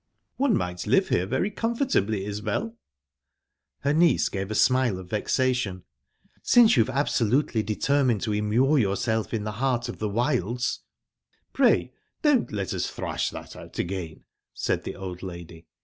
"One might live here very comfortably, Isbel?" Her niece gave a smile of vexation. "Since you have absolutely determined to immure yourself in the heart of the wilds." "Pray don't let us thrash that out again," said the old lady.